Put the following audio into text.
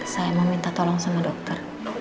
saya mau minta tolong sama dokter